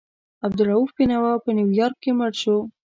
عبدالرؤف بېنوا په نیویارک کې مړ شو.